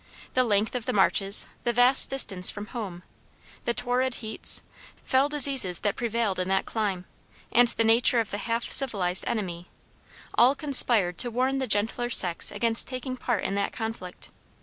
The length of the marches, the vast distance from home, the torrid heats, fell diseases that prevailed in that clime, and the nature of the half civilized enemy, all conspired to warn the gentler sex against taking part in that conflict.